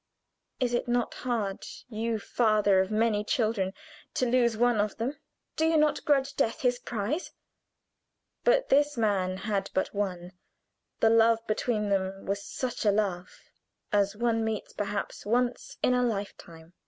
Is it not hard, you father of many children, to lose one of them? Do you not grudge Death his prize? But this man had but the one; the love between them was such a love as one meets perhaps once in a life time.